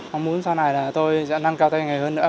mong muốn sau này tôi sẽ năng cao thêm nghề hơn nữa